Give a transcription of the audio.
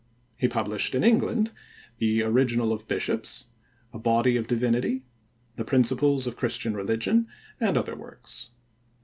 He published in England The Originall of Bishops, A Body of Divinitie, The Principles of Christian Religion, and other works.